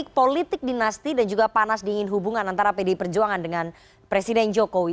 politik dinasti dan juga panas dingin hubungan antara pdi perjuangan dengan presiden jokowi